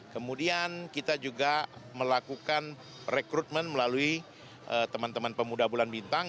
kemudian kita juga melakukan rekrutmen melalui teman teman pemuda bulan bintang